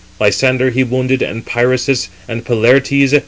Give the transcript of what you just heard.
Lysander he wounded, and Pyrasus, and Pylartes.